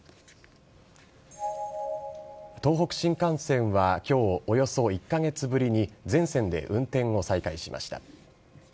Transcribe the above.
東北新幹線は今日、およそ１カ月ぶりに全線で運転を再開しました。